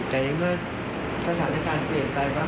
แต่ในเมื่อสถานการณ์เปลี่ยนไปก็